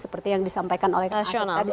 seperti yang disampaikan oleh kak asyik tadi